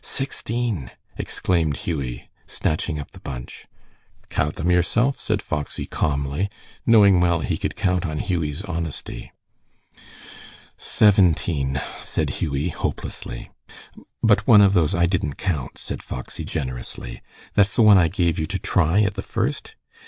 "Sixteen!" exclaimed Hughie, snatching up the bunch. "Count them yourself," said Foxy, calmly, knowing well he could count on Hughie's honesty. "Seventeen," said Hughie, hopelessly. "But one of those I didn't count," said Foxy, generously. "That's the one I gave you to try at the first.